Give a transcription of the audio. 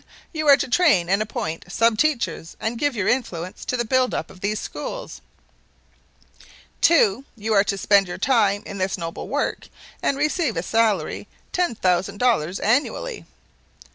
You are to train and appoint sub teachers and give your influence to the building up of these schools. "2. You are to spend your time in this noble work and receive as salary ten thousand dollars annually.